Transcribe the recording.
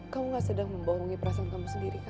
kamu gak sedang membohongi perasaan kamu sendiri